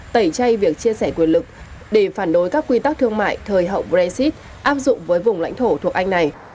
tẩy chay việc chia sẻ quyền lực để phản đối các quy tắc thương mại thời hậu brexit áp dụng với vùng lãnh thổ thuộc anh này